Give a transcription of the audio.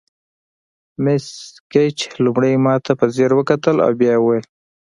مس ګیج لومړی ماته په ځیر وکتل او بیا یې وویل.